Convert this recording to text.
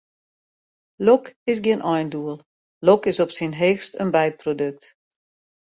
Lok is gjin eindoel, lok is op syn heechst in byprodukt.